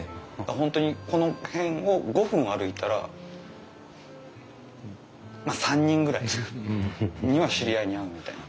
本当にこの辺を５分歩いたらまあ３人ぐらいには知り合いに会うみたいな。